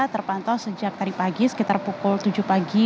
terpantau sejak tadi pagi sekitar pukul tujuh pagi